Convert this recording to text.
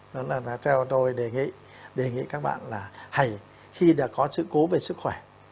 đó là theo tôi đề nghị các bạn là hãy khi đã có sự cố về sức khỏe